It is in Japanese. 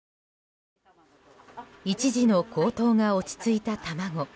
一時の高騰が落ち着いた卵。